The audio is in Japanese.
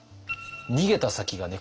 逃げた先がね